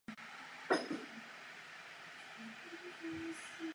Vezměme si například Indii, kde je zakázána dětská práce.